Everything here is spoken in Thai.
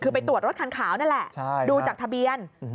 คือไปตรวจรถคันขาวนั่นแหละดูจากทะเบียน